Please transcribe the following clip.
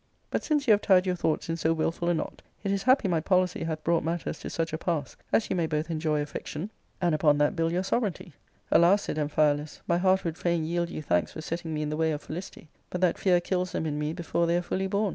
But since you have 1 your thoughts in so wilful a knot, it is happy my pglicy hath brought matters to such a pass as you may both enjoy affec tion and upon that build your sovereignty. " Alas, said Amphialus, " my heart would fain yield you thanks for setting me in the way of felicity, but that fear kills them in me before they are fully bom.